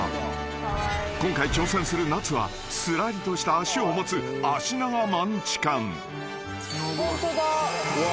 ［今回挑戦するナツはすらりとした足を持つ足長マンチカン］